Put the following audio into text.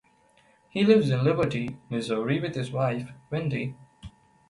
He lives in Liberty, Missouri with his wife, Wendy.